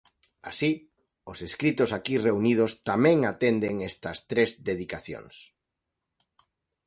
Así, os escritos aquí reunidos tamén atenden estas tres dedicacións.